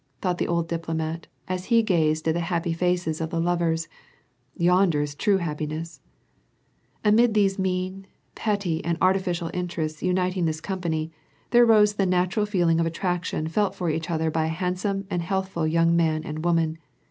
thought the old diplomat, as he gazed at the happy faces of the lovers: "yonder is true happiness !" Amid these mean, petty and artificial interests uniting this company, there arose the natural feeling of attraction felt for each other by a handsome and healthful young man and woman.